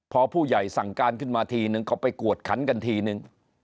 พอผู้ใหญ่สั่งการขึ้นมาทีนึงก็ไปกวดขันกันทีนึง